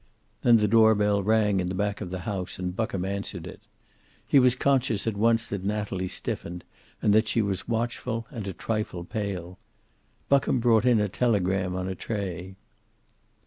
Then the door bell rang in the back of the house, and Buckham answered it. He was conscious at once that Natalie stiffened, and that she was watchful and a trifle pale. Buckham brought in a telegram on a tray.